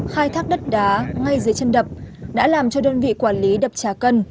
khai thác đất đá ngay dưới chân đập đã làm cho đơn vị quản lý đập trà cân